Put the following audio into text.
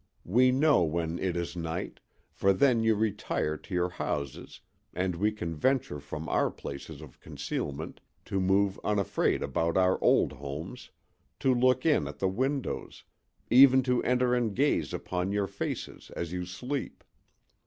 We know when it is night, for then you retire to your houses and we can venture from our places of concealment to move unafraid about our old homes, to look in at the windows, even to enter and gaze upon your faces as you sleep.